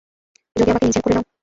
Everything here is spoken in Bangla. যদি আমাকে নিজের করে নাও।